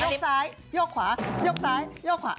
ยกซ้ายยกขวายกซ้ายยกขวา